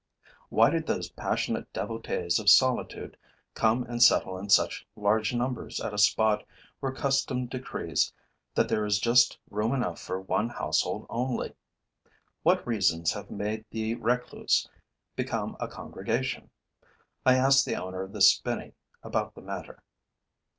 Why did those passionate devotees of solitude come and settle in such large numbers at a spot where custom decrees that there is just room enough for one household only? What reasons have made the recluse become a congregation? I asked the owner of the spinney about the matter.